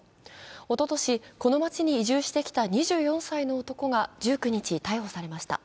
おととし、この町に移住してきた２４歳の男が１９日、逮捕されました。